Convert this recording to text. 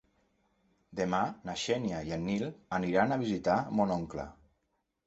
Demà na Xènia i en Nil aniran a visitar mon oncle.